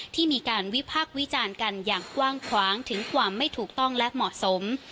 ที่มีการวิพากษ์วิจารณ์กันอย่างกว้างขวางถึงความไม่ถูกต้องและเหมาะสม